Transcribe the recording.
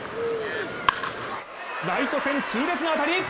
ライト線、痛烈な当たり！